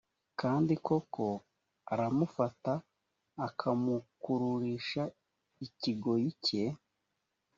kandi koko aramufata akamukururisha ikigoyi cye